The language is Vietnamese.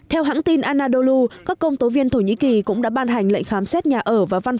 theo hãng tin anadolu các công tố viên thổ nhĩ kỳ cũng đã ban hành lệnh khám xét nhà ở và văn